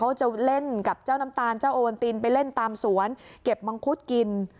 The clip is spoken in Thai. เขาจะเล่นกับเจ้าน้ำตาลเจ้าโอวันตินไปเล่นตามสวนเก็บมังคุดกิน